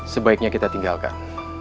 sebaiknya kita tinggalkan